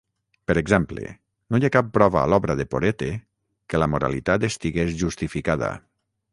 Per exemple, no hi ha cap prova a l'obra de Porete que l'amoralitat estigués justificada.